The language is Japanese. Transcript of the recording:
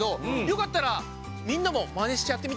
よかった。